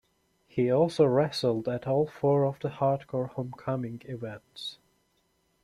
He also wrestled at all four of the Hardcore Homecoming events.